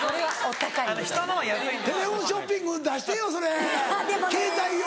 テレホンショッピング出してよそれ携帯用。